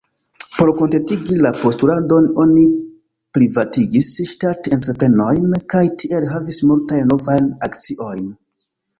Por kontentigi la postuladon oni privatigis ŝtat-entreprenojn kaj tiel havis multajn novajn akciojn.